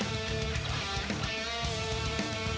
ตีอัดเข้าไปสองที